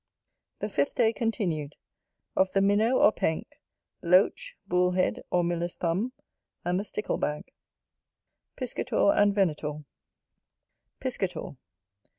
The FIFTH day continued Of the Minnow, or Penk; Loach, Bull Head, or Miller's Thumb: and the Stickle bag Chapter XVIII Piscator and Venator Piscator.